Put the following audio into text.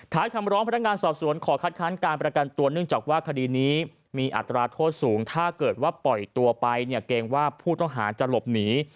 คำร้องพนักงานสอบสวนขอคัดค้านการประกันตัวเนื่องจากว่าคดีนี้มีอัตราโทษสูงถ้าเกิดว่าปล่อยตัวไปเนี่ยเกรงว่าผู้ต้องหาจะหลบหนี